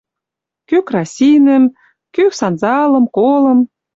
Кӱ красинӹм, кӱ санзалым, колым